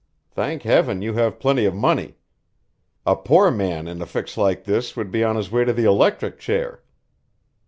Thank Heaven, you have plenty of money! A poor man in a fix like this would be on his way to the electric chair.